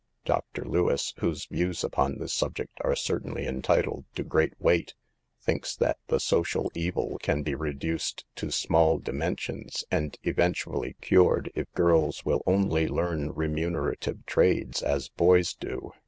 Dr. Lewis, whose views upon this subject are certainly entitled to great weight, thinks that the social evil can be reduced to small dimensions, and eventually cured, if girls will only learn remunerative trades, as boys do.